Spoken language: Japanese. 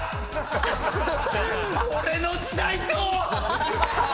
俺の時代と！